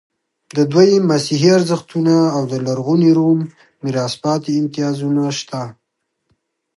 د دوی مسیحي ارزښتونه او د لرغوني روم میراث پاتې امتیازونه شته.